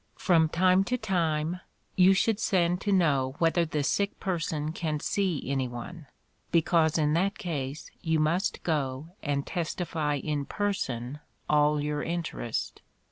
From time to time, you should send to know whether the sick person can see any one, because in that case you must go and testify in person, all your interest.